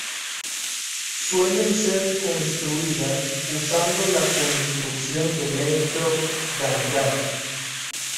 Suelen ser construidas usando la construcción de Merkle-Damgård.